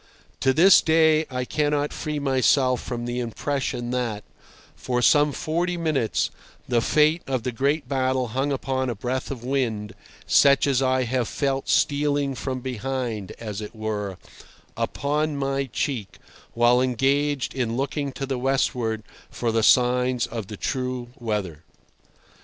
To this day I cannot free myself from the impression that, for some forty minutes, the fate of the great battle hung upon a breath of wind such as I have felt stealing from behind, as it were, upon my cheek while engaged in looking to the westward for the signs of the true weather.